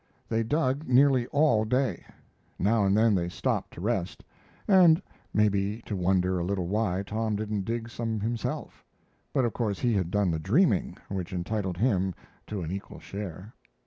They dug nearly all day. Now and then they stopped to rest, and maybe to wonder a little why Tom didn't dig some himself; but, of course, he had done the dreaming, which entitled him to an equal share.